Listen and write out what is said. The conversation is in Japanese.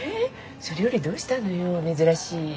それよりどうしたのよ珍しい。